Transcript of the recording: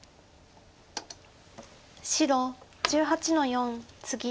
白１８の四ツギ。